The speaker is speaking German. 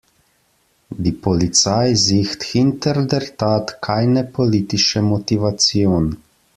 Die Polizei sieht hinter der Tat keine politische Motivation.